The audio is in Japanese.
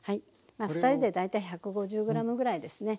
２人で大体１５０ｇぐらいですね。